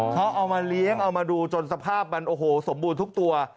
เขาเอามาเลี้ยงเอามาดูจนสภาพมันโอ้โหสมบูรณ์ทุกตัว